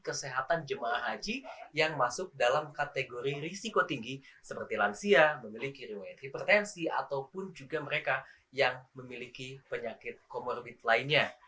kesehatan jemaah haji yang masuk dalam kategori risiko tinggi seperti lansia memiliki riwayat hipertensi ataupun juga mereka yang memiliki penyakit komorbid lainnya